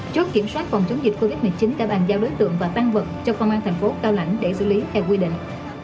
chốt kiểm soát phòng chống dịch covid một mươi chín đã bàn giao đối tượng và tăng vật cho công an thành phố cao lãnh để xử lý theo quy định